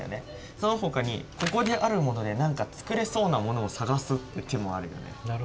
そのほかにここであるもので何か作れそうなものを探すっていう手もあるよね。